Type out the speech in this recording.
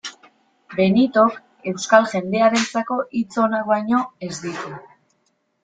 Benitok euskal jendearentzako hitz onak baino ez ditu.